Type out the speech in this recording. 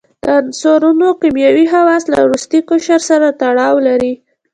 د عنصرونو کیمیاوي خواص له وروستي قشر سره تړاو لري.